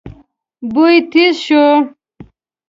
بوی تېز شو.